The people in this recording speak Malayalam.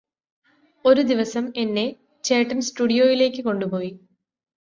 ഒരു ദിവസം എന്നെ ചേട്ടന് സ്റ്റുഡിയോയിലേക്ക് കൊണ്ടുപോയി